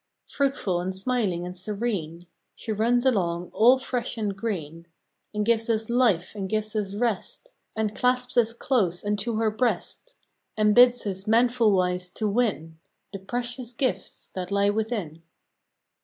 Fruitful and smiling and serene She runs along all fresh and green, And gives us life, and gives us rest, And clasps us close unto her breast, And bids us manfulwise to win The precious gifts that lie within.